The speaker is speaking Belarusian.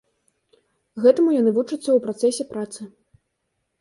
Гэтаму яны вучацца ў працэсе працы.